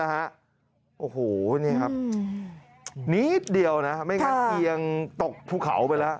โอ้โห้เนี่ยครับนิดเดียวนะครับไม่ครับเอียงตกภูเขาไปแล้ว